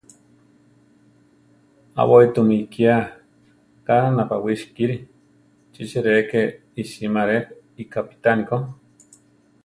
Aʼbói tu mi ikía ka napawísi kíri; chi che rʼe ke iʼsimári iʼkápitani ko.